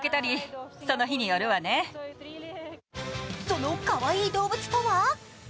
そのかわいい動物とは？